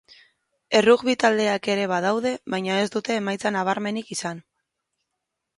Errugbi taldeak ere badaude, baina ez dute emaitza nabarmenik izan.